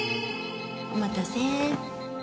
おまたせ。